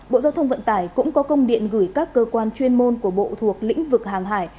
bộ giao thông vận tải cũng có công điện gửi các cơ quan chuyên môn của bộ thuộc lĩnh vực hàng hải